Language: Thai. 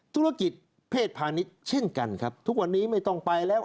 ธุรกิจเพศพาณิชย์เช่นกันครับทุกวันนี้ไม่ต้องไปแล้ว